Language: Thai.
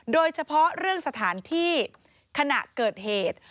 โดยเฉพาะเรื่องสถานที่ขณะเกิดเหตุ